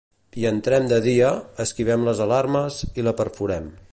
Hi entrem de dia, esquivem les alarmes i la perforem.